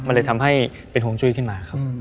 มันเลยทำให้เป็นห่วงจุ้ยขึ้นมาครับ